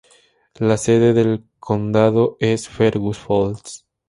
La sede del condado es Fergus Falls.